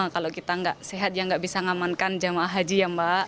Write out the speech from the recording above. yang utama kalau kita nggak sehat yang nggak bisa ngamankan jemaah haji ya mbak